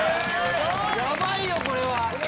やばいよこれは！